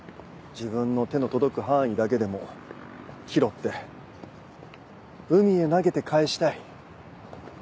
自分の手の届く範囲だけでも拾って海へ投げて返したい。